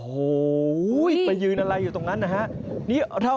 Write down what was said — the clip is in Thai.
โอ้โหไปยืนอะไรอยู่ตรงนั้นนะฮะ